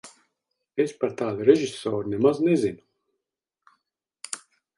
Es par tādu režisoru nemaz nezinu.